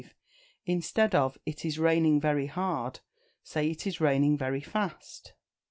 Instead of "It is raining very hard," say "It is raining very fast."